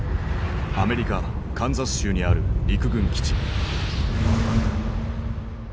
アメリカカンザス州にある陸軍基地。